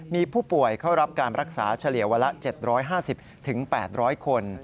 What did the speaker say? มีผู้ป่วยเข้ารับการรักษาเฉลี่ยวันละ๗๕๐๘๐๐คน